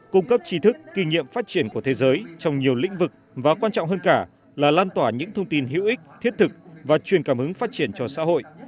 cung cấp trí thức kinh nghiệm phát triển của thế giới trong nhiều lĩnh vực và quan trọng hơn cả là lan tỏa những thông tin hữu ích thiết thực và truyền cảm hứng phát triển cho xã hội